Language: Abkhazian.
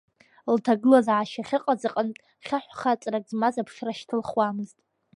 Лҭагылазаашьа ахьыҟаз аҟнытә хьаҳәхьаҵрак змаз аԥшра шьҭылхуамызт.